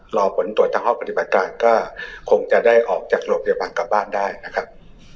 รอผลตรวจทางห้องปฏิบัติการก็คงจะได้ออกจากโรงพยาบาลกลับบ้านได้นะครับ